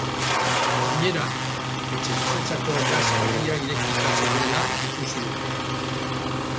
Gainera, etxebizitzako gas hodia irekita zegoela ikusi dute.